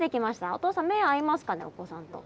お父さん目合いますかねお子さんと。